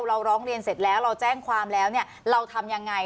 เราร้องเรียนเสร็จแล้วเราแจ้งความเราทำยังไง